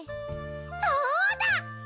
そうだ！